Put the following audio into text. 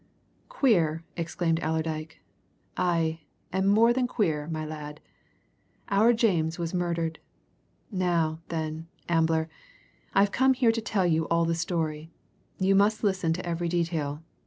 "Queer!" exclaimed Allerdyke. "Aye, and more than queer, my lad. Our James was murdered! Now, then, Ambler, I've come here to tell you all the story you must listen to every detail.